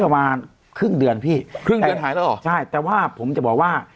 ประมาณครึ่งเดือนพี่ครึ่งเดือนหายแล้วเหรอใช่แต่ว่าผมจะบอกว่า